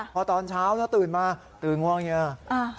พอตอนเช้าตื่นมาตื่นง่วงอย่างนี้